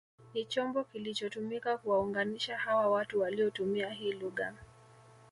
Ni chombo kilichotumika kuwaunganisha hawa watu waliotumia hii lugha